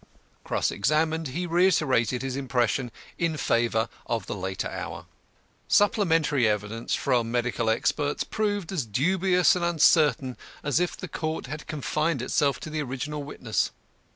Cross examined, he reiterated his impression in favour of the later hour. Supplementary evidence from medical experts proved as dubious and uncertain as if the court had confined itself to the original witness.